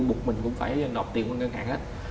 một mình cũng phải đọc tiền bằng ngân hàng đó